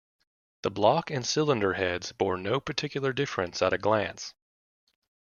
The block and cylinder heads bore no particular difference at a glance.